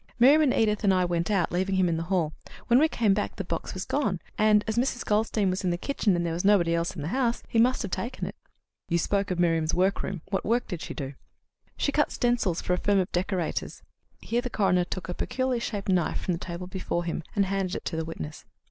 Miriam and Edith and I went out, leaving him in the hall. When we came back the box was gone, and, as Mrs. Goldstein was in the kitchen and there was nobody else in the house, he must have taken it." "You spoke of Miriam's workroom. What work did she do?" "She cut stencils for a firm of decorators." Here the coroner took a peculiarly shaped knife from the table before him, and handed it to the witness.